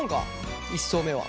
１層目は。